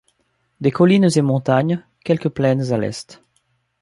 Des collines et montagnes, quelques plaines à l'est.